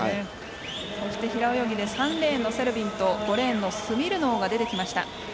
平泳ぎで３レーンのセルビンと５レーンのスミルノウが出てきました。